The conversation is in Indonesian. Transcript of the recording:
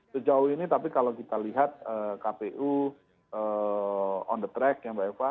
sejauh ini tapi kalau kita lihat kpu on the track ya mbak eva